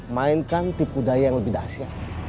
mainkan tipu daya yang lebih dahsyat